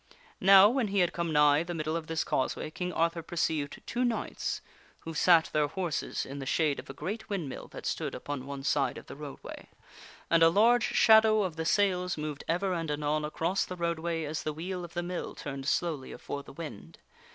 Now, when he had come nigh the middle of this causeway, King Arthur perceived two knights, who sat their horses in the shade of KING ARTHUR ENCOUNTERS TWO KNIGHTS ,05 a great windmill that stood upon one side of the roadway. And a large shadow of the sails moved ever and anon across the roadway as the wheel of the mill turned slowly afore the wind.